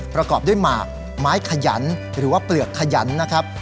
ประกอบด้วยหมากไม้ขยันหรือว่าเปลือกขยันนะครับ